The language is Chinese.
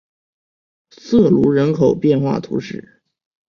瑟卢人口变化图示